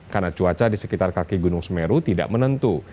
karena cuaca di sekitar kaki gunung semeru tidak menentu